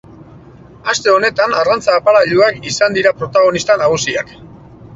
Aste honetan arrantza-aparailuak izan dira protagonista nagusiak.